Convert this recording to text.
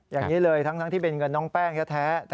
อย่างนี้เลยทั้งที่เป็นเงินน้องแป้งแท้